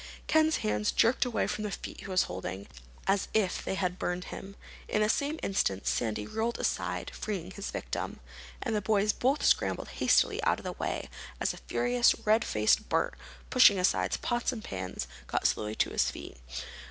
Ken's hands jerked away from the feet he was holding as if they had burned him. In the same instant Sandy rolled aside, freeing his victim. And then both boys scrambled hastily out of the way as a furious red faced Bert, pushing aside pots and pans, got slowly to his feet.